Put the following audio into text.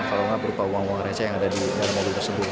kalau nggak berupa uang uang reza yang ada di dalam mobil tersebut